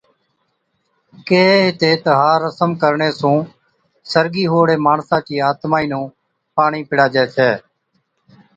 ڪيھي ھِتي تہ ھا رسم ڪرڻي سُون سرگِي ھئُوڙي ماڻسا چِي آتمائِي نُون پاڻِي پِڙاجَي ڇَي